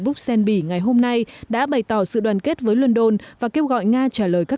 bruxelles bỉ ngày hôm nay đã bày tỏ sự đoàn kết với london và kêu gọi nga trả lời các